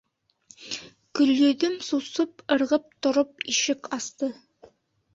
Гөлйөҙөм сусып ырғып тороп ишек асты.